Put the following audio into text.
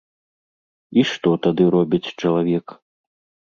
І што тады робіць чалавек?